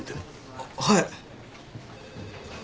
あっはい。